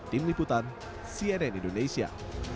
tim liputan cnn indonesia